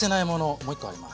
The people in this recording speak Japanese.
もう一個あります。